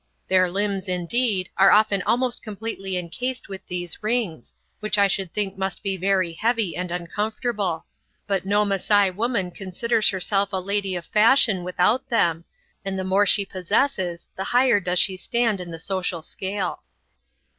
Their limbs, indeed, are often almost completely encased with these rings, which I should think must be very heavy and uncomfortable: but no Masai woman considers herself a lady of fashion without them, and the more she possesses the higher does she stand in the social scale.